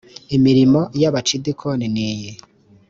imirimo ya bacidikoni niyi